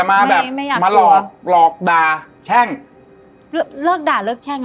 แต่อยากมาหลอกดาแช่ง